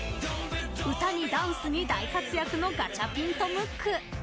歌にダンスに大活躍のガチャピンとムック。